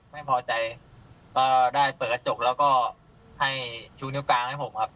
ไม่พอใจก็ได้เปิดกระจกแล้วก็ให้ชูนิ้วกลางให้ผมครับ